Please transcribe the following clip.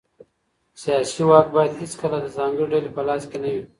سياسي واک بايد هيڅکله د ځانګړې ډلې په لاس کي نه وي.